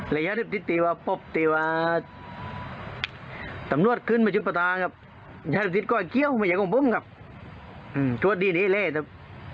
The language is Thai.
และยาเรียบติดตีว่าปบตีว่าตำรวจขึ้นมาชุดประตาครับยาเรียบติดก็อ่ะเกี่ยวไม่ใช่ของผมครับอืมทวดดีนี้เลยครับ